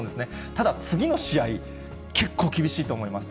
ただ、次の試合、結構厳しいと思います。